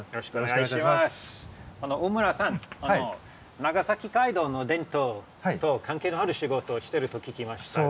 長崎街道の伝統と関係のある仕事をしてると聞きましたが。